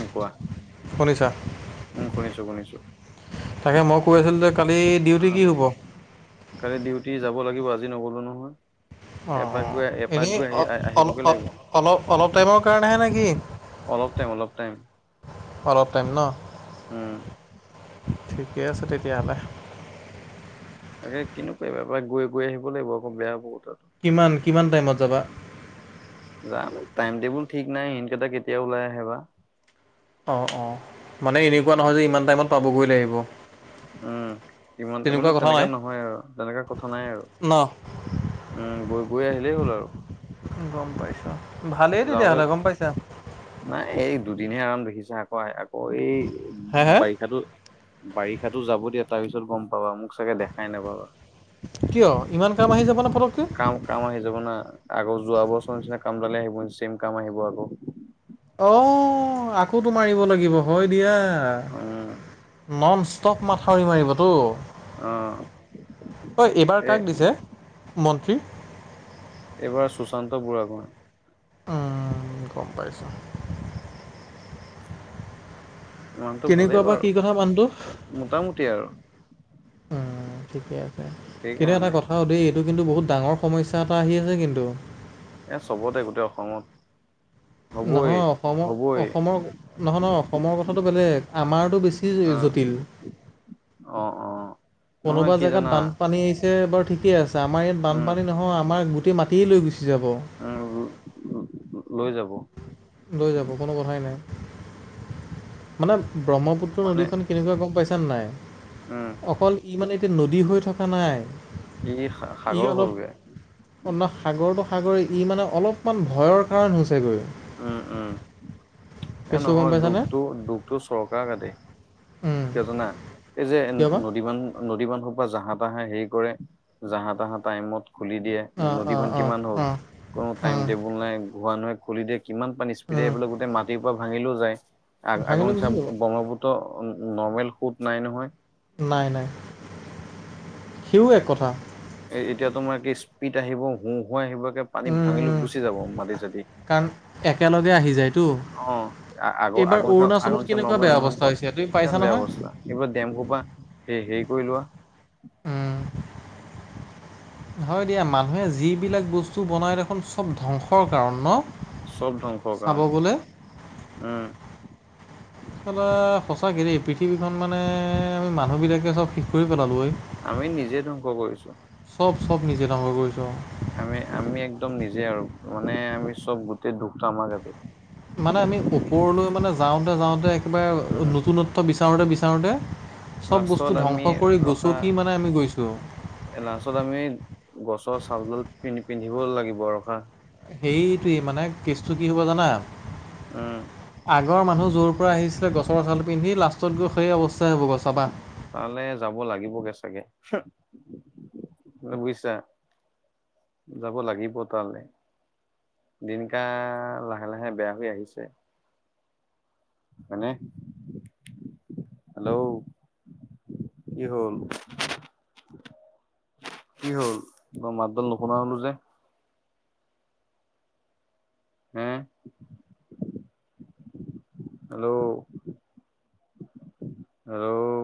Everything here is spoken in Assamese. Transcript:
উম কোৱা শুনিছা উম শুনিছো শুনিছো তাকে মই কৈ আছিলো যে কালি অ ডিউটি কি হ'ব? ক'ব লাগিব আজি নগলো নহয়। অ' এপাক অ' গৈ এপাক এনেই গৈ আহি অ' আহিবগে অ' লাগিব অলপ অলপ টাইমৰ কাৰণেহে নেকি। অলপ টাইম অলপ টাইম। অলপ টাইম ন উম। ঠিকে আছে তেতিয়াহ'লে। তাকে কিনো পাৰিবা এ গৈ গৈ আহিব লাগিব আকৌ বেয়া বহুত। কিমান কিমান টাইমত যাবা? যাম টাইম টেবুল ঠিক নাই ইহঁত কেইটা কেতিয়া ওলাই আহে বা। অ' অ' মানে এনেকুৱা নহয় যে ইমান টাইমত পাবগৈ লাগিব। উম ইমান তেনেকুৱা মানে কথা তেনেকা নাই নহয় আৰু তেনেকা কথা নাই আৰু। ন উম গৈ গৈ আহিলেই হ'ল আৰু। গম পাইছোঁ ভালেই যাওঁতে তেতিয়াহ'লে গম পাইছা নাই এই দুদিনহে আৰাম দেখিছো আক আকৌ এই হে হে বাৰিষাতো বাৰিষাতো যাব দিয়া তাৰ পিছত গম পাবা মোক চাগে দেখাই নাপাবা। কিয় ইমান কাম আহি যাব নে পটককৈ কাম কাম আহি যাব না আগৰ যোৱা বছৰ নিচিনা কামডালে আহিব। চেম কাম আহিব আকৌ। অঁ আকৌতো মাৰিব লাগিব হয় দিয়া উম ননছ ষ্টক মাথাউৰি মাৰিবতো। অ ঐ এইবাৰ এ কাক দিছে মন্ত্ৰী? এইবাৰ সুশান্ত বুঢ়াাগোহাই। উ গম পাইছোঁ। ইমানটো ভালেই কেনেকুৱা বা কি কথা বাৰু মানুহটো মোটামুটি আৰু। উম, ঠিকে আছে কিন্তু এটা সেইকাৰণে কথাও দেই এইটো কিন্তু বহুত ডাঙৰ সমস্যা এটা আহি আছে কিন্তু। এ চবতে গোটেই অসমত। হবই নহয় অসম হবই অসমৰ নহয় নহয় অসমৰ কথাটো বেলেগ আমাৰতো বেছি উম জটিল অ অহ। কোনোবা জেগাত বানপানী আহিছে বাৰু ঠিকেই আছে, আমাৰ ইয়াত উম বানপানী নহয় আমাৰ মাটি লৈ গৈছে। গুচি যাব, উম লৈ যাব লৈ যাব কোনো কথাই নাই। মানে ব্ৰহ্মপুত্ৰ মানে নদীখন কেনেকুৱা গম পাইছ নে নাই? উম অকল ই মানে এতিয়া নদী হৈ থকা নাই। ই ই সাগৰ অলপ হ'লগে অন্য সাগৰটো সাগৰে ই মানে অলপমান ভয়ৰ কাৰণ হৈছেগৈ। উম উম এ কেছটো গম নহয় পাইছানে দুখটো দুখটো চৰকাৰ গাতে। উম, কিয় জনা এই যে কিয় বা নদী বান নদী বান্ধৰ পৰা জাহা-তাহা হেৰি কৰে, জাহা তাহা টাইমত খুলি দিয়ে অঁ নদী অঁ বান্ধ কিমান হ'ল অঁ কোনো টাইম- অঁ টেবুল নাই হোৱাই-নোহোৱাই খুলি দিয়ে। কিমান পানী স্পীডে অঁ আহ বোলে গোটেই মাটিৰ পৰা ভাঙিলেও যায় আ আগৰ ভাঙিলৈ নিচিনা গুচি যাব ব্ৰহ্মপুত্ৰ নৰ্মেল সোঁত নাই নহয়। নাই নাই সিও এক কথা। এ এতিয়া তোমাৰ কি স্পীড আহিব হোঁ-হোৱাই আহিব একে পানীত উম, ভাঙি উম, গুচি যাব মাটি-চাতি। কাৰণ একেলগে আহি যায়তো। অ আ এইবাৰ আগ চা অৰুণাচলত আগৰ নিচিনা কেনেকুৱা নৰ্মেল বেয়া নহয় অৱস্থা হৈছে তুমি পাইছা কিমান বেয়া নহয় অৱস্থা এইবোৰ ডেম খোপা সেই হে কৰি লোৱা। উম, হয় দিয়া মানুহে যিবিলাক বস্তু বনাই দেখোন চব ধংসৰ কাৰণ ন? চব ধ্বংসৰ চাব কাৰণ গ'লে। উম। চালা সঁচাকে দেই পৃথিৱীখন মানে আমি মানুহ বিলাকে চব শেষ কৰি পেলালো অই। আমি নিজে ধ্বংস কৰিছোঁ। চব চব নিজে ধংস কৰিছোঁ আৰু। আমি আমি একদম নিজে আৰু মানে আমি চব গোটেই দুখটো আমাৰ গাতে। মানে আমি ওপৰলৈ মানে যাওঁতে যাওঁতে একেবাৰে উম, নতুনত্ব বিচাৰ বিচাৰোতে বিচাৰোতে লাষ্টত আমি ৰখা মানে আমি গৈছোঁ এ লাষ্টত আমি গছৰ চালডাল পিন্ পিন্ধিব লাগিব আৰু খা সেইটোৱে মানে কেচটো কি হ'ব জানা। উম আগৰ মানুহ য'ৰ পৰা আহিছিলে গছৰ ছাল পিন্ধি লাষ্টত গৈ সেই অৱস্থা তালে যাব লাগিবগে চাগে। বুজিছা যাব লাগিব তালৈ। দিনকাল লাহে লাহে বেয়া হৈ আহিছে। হয়নে? হেল্ল' কি হ'ল? কি হ'ল মই মাতডল নুশুনা হলো যে আ হে [inaudible] হেল্ল' আৰুল